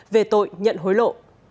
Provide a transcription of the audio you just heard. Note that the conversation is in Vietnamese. về tội nhận hối lộ